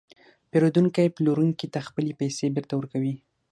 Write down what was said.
پېرودونکی پلورونکي ته خپلې پیسې بېرته ورکوي